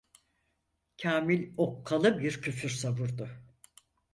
Kamil okkalı bir küfür savurdu.